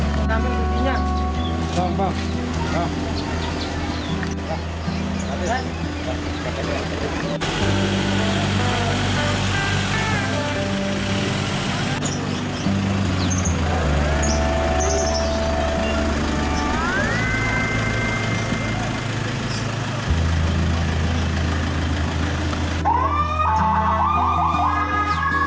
korbannya dia tinggal sendiri